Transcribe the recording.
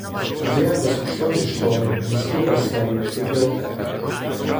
Є безкоштовні школи, міські басейни, бібліотеки